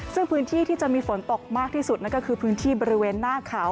ซึ่งพื้นที่ที่จะมีฝนตกมากที่สุดนั่นก็คือพื้นที่บริเวณหน้าเขา